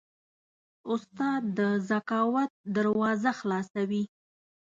استاد د ذکاوت دروازه خلاصوي.